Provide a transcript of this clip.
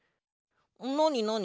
なになに？